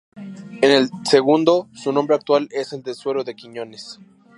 En el segundo, su nombre actual es el de Suero de Quiñones.